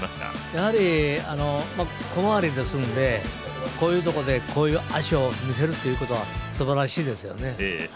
やはり、小回りですのでこういうところでこういう脚を見せるということはすばらしいですよね。